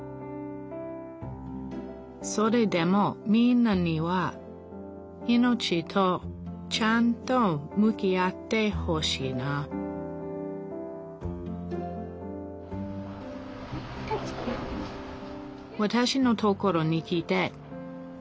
それでもみんなには命とちゃんと向き合ってほしいなわたしのところに来て１３日目のコウです